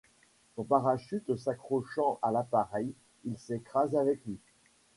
Son parachute s'accrochant à l'appareil, il s'écrase avec lui.